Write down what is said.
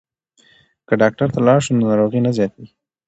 که ډاکټر ته لاړ شو نو ناروغي نه زیاتیږي.